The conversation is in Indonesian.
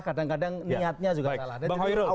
kadang kadang niatnya juga salah